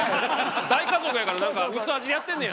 大家族やからなんか薄味でやってんねや。